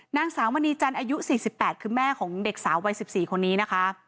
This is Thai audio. นางสาวมณีจันทร์อายุ๔๘คือแม่ของเด็กสาววัย๑๔คนนี้นะคะ